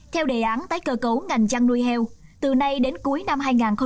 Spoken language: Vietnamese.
theo đề án tái cơ cấu ngành chăn nuôi heo từ nay đến cuối năm hai nghìn hai mươi